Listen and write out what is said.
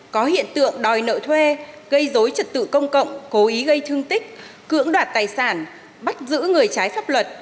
có hiện tượng đòi nợ thuê gây dối trật tự công cộng cố ý gây thương tích cưỡng đoạt tài sản bắt giữ người trái pháp luật